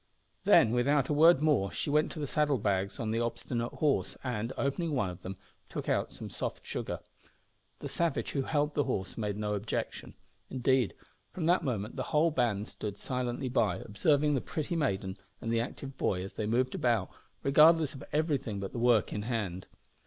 Then, without a word more, she went to the saddle bags on the obstinate horse, and, opening one of them, took out some soft sugar. The savage who held the horse made no objection. Indeed, from that moment the whole band stood silently by, observing the pretty maiden and the active boy as they moved about, regardless of everything but the work in hand.